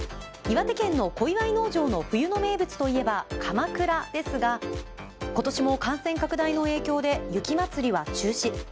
岩手県の小岩井農場の冬の名物といえばかまくらですが今年も感染拡大の影響で雪まつりは中止。